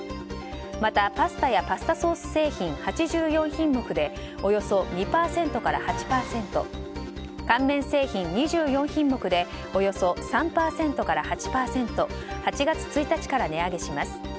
また、パスタやパスタソース製品８４品目でおよそ２％から８％乾麺製品２４品目でおよそ３％から８％８月１日から値上げします。